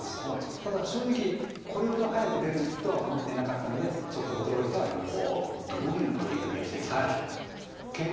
ただ正直これほど早く出るとは思っていなかったのでちょっと驚いてはいます。